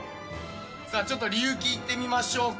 さあちょっと理由聞いてみましょうか。